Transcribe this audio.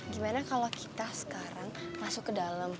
gimana kalau kita sekarang masuk ke dalam